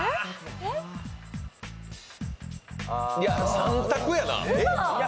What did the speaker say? ３択やな。